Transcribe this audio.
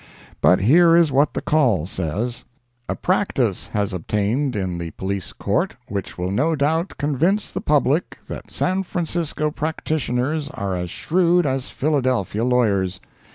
But here is what the Call says: A practice has obtained in the Police Court, which will no doubt convince the public that San Francisco practitioners are as shrewd as 'Philadelphia lawyers.'